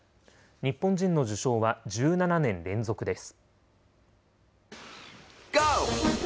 日本人の受賞は１７年連続です。